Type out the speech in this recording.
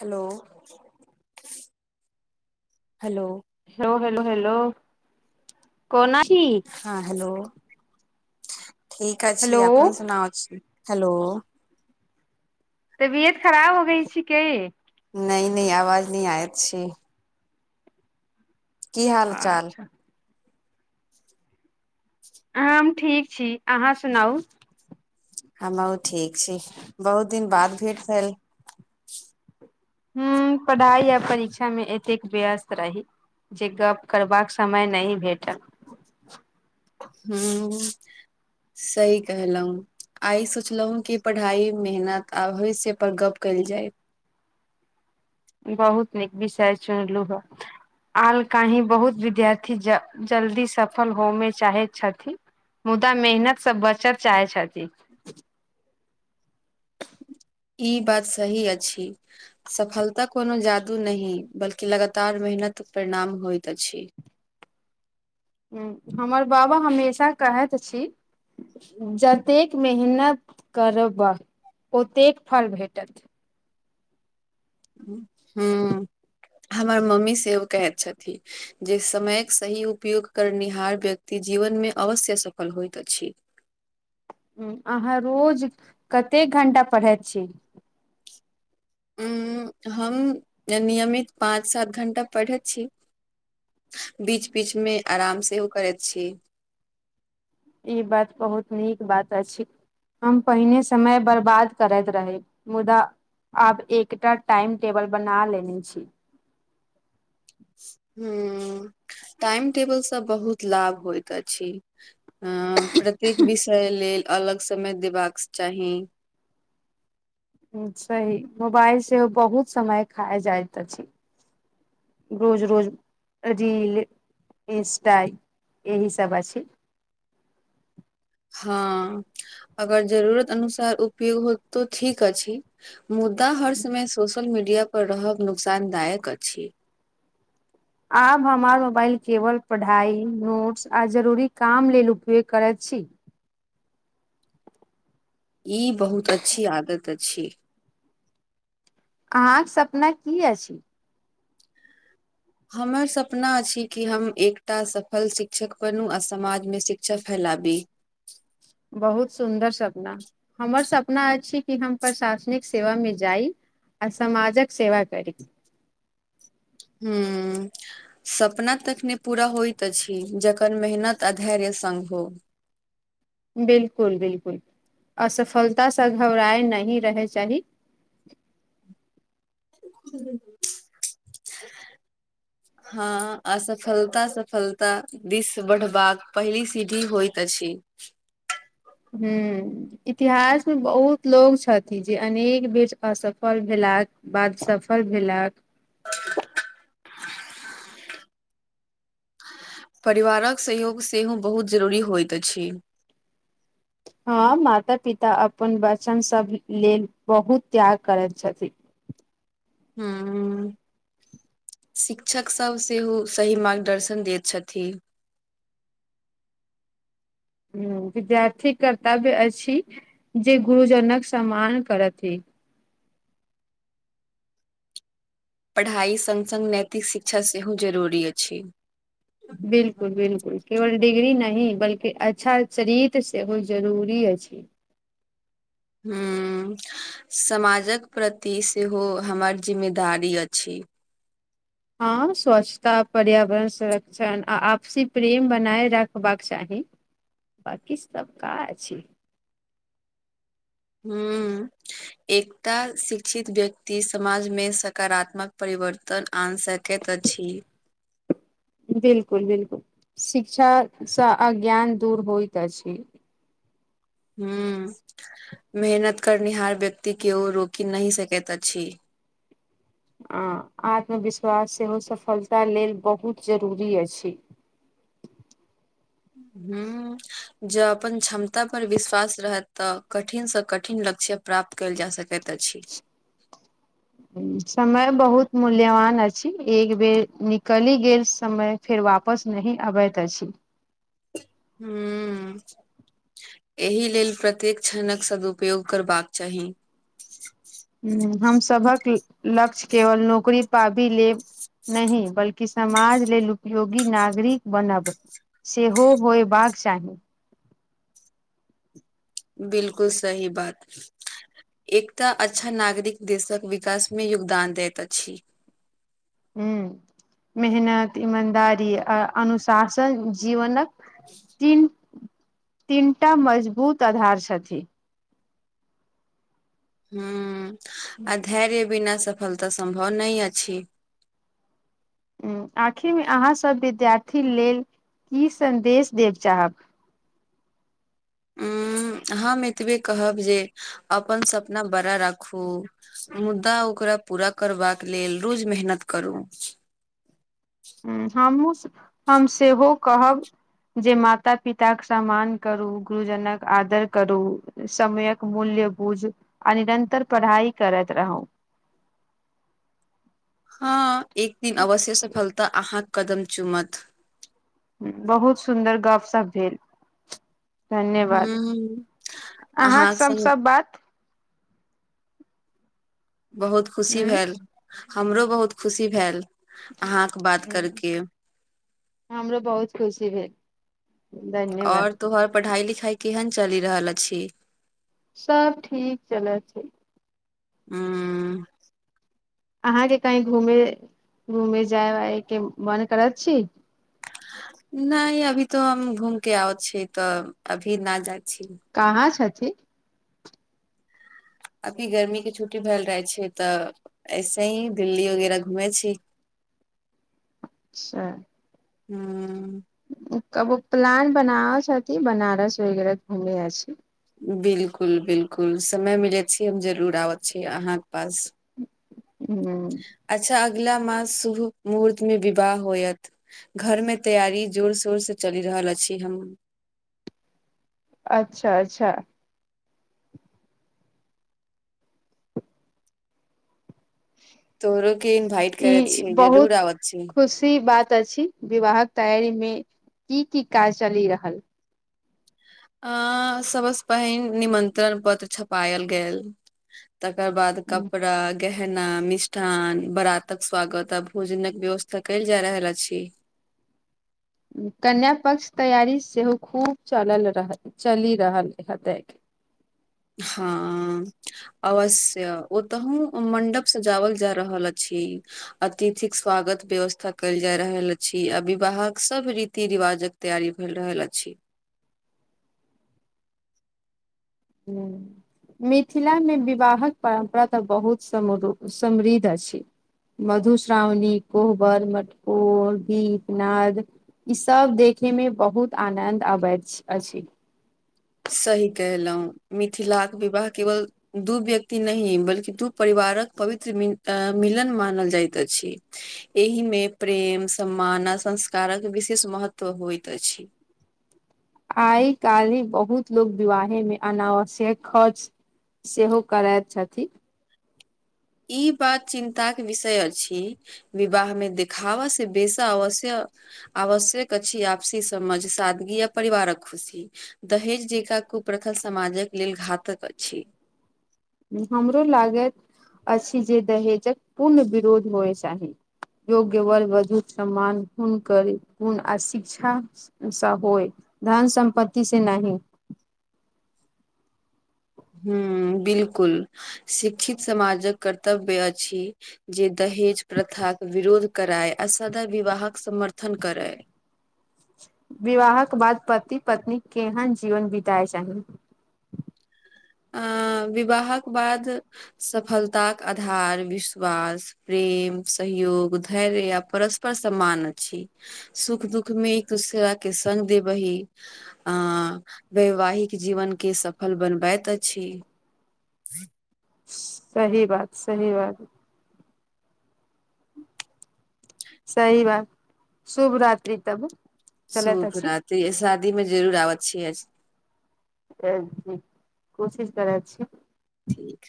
hello hello hello hello hello कोना [unintelligible] छी हँ हेलो ठीक अछि हेलो अपन सुनाउ छी हेलो तबियत खराब हो गइ छी के नै नै आवाज नै आयत छै की हाल चाल अच्छा हम ठीक छी अहाँ सुनाउ हमहूँ ठीक छी बहुत दिन बाद भेट भेल हूंम्म पढ़ाइ आ परीक्षा मे एतेक व्यस्त रही जे गप करबाक समय नहि भेटल हूंम्म सही कहलौं आइ सोचलहुं की पढ़ाइ मेहनत आ होइ से पर गप्प कयल जाय बहुत नीक विषय चुनलु ह आल काल्हि बहुत विद्यार्थी ज जल्दी सफल हो मे चाहे छथिन मुदा मेहनतसँ बचत चाहे छथि ई बात सही अछि सफलता कोनो जादू नहिं बल्कि लगातार मेहनत परिणाम होइत अछि हमर बाबा हमेशा कहैत अछि जतेक मेहनत करबह ओतेक फल भेटत हूंम्म हमर मम्मी सेव कहैत छथि जे समयक सही उपयोग करनिहार व्यक्ति जीवन मे अवश्य सफल होइत अछि अहाँ रोज कतेक घण्टा पढ़ैत छी उंम्म हम नियमित पाँच सात घंटा पढ़ैत छी बीच बीच मे आराम सेहो करैत छी ई बात बहुत नीक बात अछि हम पहिने समय बर्बाद करैत रही मुदा आब एकटा टाइम टेबल बना लेने छी हूंम्म टाइम टेबलसँ बहुत लाभ होइत अछि हँ प्रत्येक विषय लेल अलग समय देबाक चाही सही मोबाइल सेहो बहुत समय खाइ जाइत अछि रोज रोज रील इन्सटा एहिसब अछि हँ अगर जरूरत अनुसार उपयोग होत तो ठीक अछि मुद्दा हर समय सोशल मीडिया पर रहब नुकसानदायक अछि आब हमर मोबाइल केवल पढ़ाइ नोट्स आ जरूरी काम लेल उपयोग करैत छी ई बहुत अच्छी आदत अछि अहाँक सपना की अछि हमर सपना अछि कि हम एकटा सफल शिक्षक बनू आ समाजमे शिक्षा फैलाबी बहुत सुन्दर सपना हमर सपना अछि कि हम प्रशासनिक सेवा मे जाइ आ समाजक सेवा करी हूंम्म सपना तखने पूरा होइत अछि जखन मेहनत आ धैर्य संग हो बिलकुल बिलकुल असफलतासँ घबराए नहि रहय चाही ह [unintelligible] [inaudible] हँ असफलता सफलता दिस बढ़बाक पहली सीढ़ी होइत अछि हूंम्म इतिहास मे बहुत लोग छथि जे अनेक बेर असफल भेलाह बाद सफल भेलक परिवारक सहयोग सेहो बहुत जरूरी होइत अछि हँ माता पिता अपन बचन सब लेल बहुत त्याग करैत छथिन हँ शिक्षक सभ सेहो सही मार्गदर्शन दैत छथिन ह विद्यार्थी कर्तव्य अछि जे गुरुजनक सम्मान करथि ह पढ़ाई सग सङ्ग नैतिक शिक्षा सेहो जरूरी अछि बिल्कुल बिलकुल केवल डिग्री नहि बल्कि अच्छा चरित्र सेहो जरूरी अछि ह समाजक प्रति सेहो हमर जिम्मेदारी अछि हँ स्वच्छता पर्यावरण संरक्षण आ आपसी प्रेम बनाए रखबाक चाही बकी सब का अछि ह एकटा शिक्षित व्यक्ति समाजमे सकारात्मक परिवर्तन आनि सकैत अछि बिल्कुल बिलकुल शिक्षासँ अज्ञान दूर होइत अछि ह मेहनत करनिहार व्यक्ति केओ रोकि नहि सकैत अछि आ आत्मविश्वास सेहो सफलता लेल बहुत जरूरी अछि ह जँ अपन क्षमता पर विश्वास रहत तऽ कठिनसँ कठिन लक्ष्य प्राप्त कयल जा सकैत अछि [inaudible] समय बहुत मूल्यवान अछि एक बेर निकलि गेल समय फेर वापस नहि अबैत अछि हू एहि लेल प्रत्येक क्षणक सदुपयोग करबाक चाही ह हम सभक लक्ष्य केवल नौकरी पाबी लेब न बल्कि समाज लेल उपयोगी नागरिक बनब सेहो होयबाक चाही बिलकुल सही बात एकटा अच्छा नागरिक देशक विकास मे योगदान दैत अछि ह मेहनत ईमानदारी आ अनुशासन जीवनक तीन तीनटा मजबूत आधार छथिन ह आ धैर्य बिना सफलता सम्भव नहि अछि आखिरमे अहाँसभ विद्यार्थी लेल की सन्देश देब चाहब उ हम एतबे कहब जे अपन सपना बड़ा राखू मुद्दा ओकरा पूरा करबाक लेल रोज मेहनत करू ह हमूँ हम सेहो कहब जे माता पिता के सम्मान करू गुरुजनक आदर करू समयक मूल्य बुझ आ निरन्तर पढ़ाइ करैत रहू हँ एक दिन अवश्य सफलता अहाँके कदम चुमत बहुत सुन्दर गप सप भेल धन्यवाद हूँ अहाँके अहाँक सब संग सभ बात बहुत खुशी ह भेल हमरो बहुत खुशी भेल अहाँक बात ह करके हमरो बहुत खुशी भेल धन्यवाद और तोहर पढ़ाई लिखाई केहन चलि रहल अछि सब ठीक चलै छै ह अहाँके कही घूमे घूमे जाय वाय के मन करत छी नहि अभी तो हम घूम के आउ छी तऽ अभी न जाइ छी कहाँ छथि अभी गर्मी के छुट्टी भेल रह छै तऽ ऐसे ही दिल्ली वगैरह घूमे छी अच्छा हू कबो प्लान बनाब छथि बनारस वगैरह घुमे अछि बिलकुल बिलकुल समय मिलै छी हम जरूर आबै छीियै अहाँके पास हू अच्छा अगिला मास शुभ मुहूर्त मे विवाह होयत घर मे तैयारी जोर शोर से चलि रहल छी हम अच्छा अच्छा तोहरो के इन्वाइट करैत ई छी जरूर बहुत आबत छी खुशी बात अछि विवाहक तैयारी मे की की काज चलि रहल अ सबस पहिन निमंत्रण पत्र छपायल गेल तकर बाद कपड़ा गहना मिष्ठान बराातक स्वागत आ भोजन के व्यवस्था कल जाय रहल अछि कन्य पक्ष तैयारी सेहो खूब चलल रह चलि रहल हतेक हँ अवश्य ओ तहुू मं्डप से जाावल जा रहल अछि अतिथिक स्वागत व्यवस्था कयल जा रहल अछि अ विवाहक सब रीति रिवाजक तैयारी भेल रहल अछि हूँ मिथिला मे विवाहक परम्परा तऽ बहुत समृद्ध अछि मधुश्रावणी कोहबर मटकोर गीत नाद ई सब देखे मे बहुत आनद अबैत अछि सही कहलहुँ मिथिलाके विवाह केवल दू व्यक्ति नहि बल्कि दू परिवारक पवित्र मिलन मानल जाइत अछि एहि मे प्रेम सम्मान आ संस्कारक विशेष महत्व होइत अछि आइ काल्हि बहुत लोको विवाहे में अनावश्यक खर्च सेहो करैत छथि ई बात चिन्ता के विषय अछि विवाह मे देखिवा से बेसा अवश्य आवश्यक अछि आपसी समझ सादगी आ परिवारक खुशी दहेज जका कुप्रथा समाजक लेल घातक अछि हमरो लागैत अछि जे दहेजक पूर्ण विरोध होय चाही योग्य बल वघु समान हुनकर गुन आ शिक्षा स होय धन सं्पति से नहि हू बिलकुल शिक्षित समाजक कर्तव्य अछि जे दहेज प्रथाक के विरोध कराय आ सदा विवाहक समर्थन करै विवाहक बाद पति पत्नी केहन जीवन बीताय चाही अ विवाहक बाद सफलताक आधार विश्वास प्रेम सहयोग धैर्य आ परस्पर सम्मान अछि सुख दुःख में एक दूसरा के सग दे बही आ वैवाहिक जीवन के सफल बनबैत अछि सही बात सही बात सही बात शुभ रत्रि तब चलैत अछि शूभराति शादीमें जरूर आबे छैियै जी कोशिश करै छी ठीक